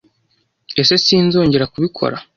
Ese Sinzongera kubikora.